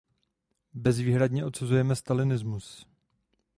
Bezvýhradně odsuzujeme stalinismus.